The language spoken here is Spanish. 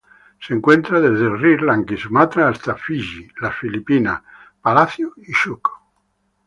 Se encuentra desde Sri Lanka y Sumatra hasta Fiyi, las Filipinas, Palacio y Chuuk.